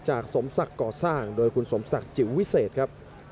สมศักดิ์ก่อสร้างโดยคุณสมศักดิ์จิ๋ววิเศษครับ